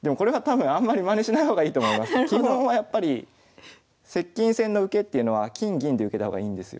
でもこれは多分基本はやっぱり接近戦の受けっていうのは金銀で受けた方がいいんですよ。